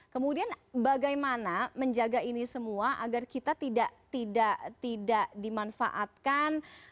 kemudian bagaimana menjaga ini semua agar kita tidak dimanfaatkan